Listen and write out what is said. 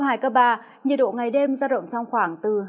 nhiệt độ ngày đêm giao động trong khoảng từ hai mươi bốn ba mươi bốn độ